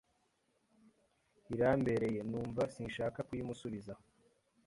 irambereye numva sinshaka kuyimusubiza